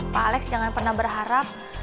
pak alex jangan pernah berharap